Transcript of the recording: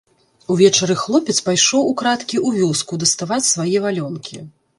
Увечары хлопец пайшоў украдкі ў вёску даставаць свае валёнкі.